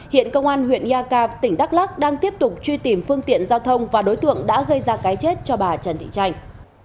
hiện công an huyện yaka tỉnh đắk lắc đang tiếp tục truy tìm phương tiện giao thông và đối tượng đã gây ra cái chết cho bà trần thị tranh